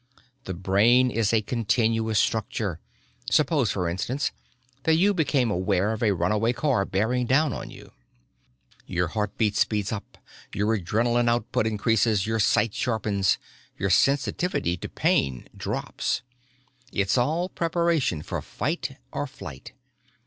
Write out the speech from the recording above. "The brain is a continuous structure. Suppose, for instance, that you become aware of a runaway car bearing down on you. "Your heartbeat speeds up, your adrenalin output increases, your sight sharpens, your sensitivity to pain drops it's all preparation for fight or flight.